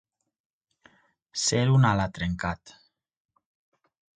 Ser un alatrencat.